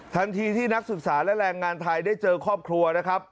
ทันทีที่นักศึกษาและแรงงานไทยได้เจอครอบครัวนะครับ